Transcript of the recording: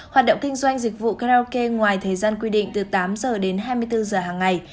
hoạt động kinh doanh dịch vụ karaoke ngoài thời gian quy định từ tám giờ đến hai mươi bốn giờ hàng ngày